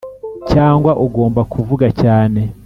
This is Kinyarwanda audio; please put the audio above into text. cyangwa ugomba kuvuga cyane.